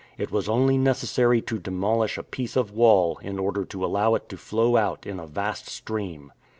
It was only necessary to demolish a piece of wall in order to allow it to flow out in a vast stream.